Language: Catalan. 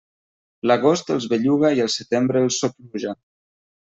L'agost els belluga i el setembre els sopluja.